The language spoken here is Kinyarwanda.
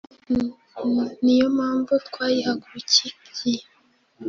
ni yo mpamvu twayihagurukiye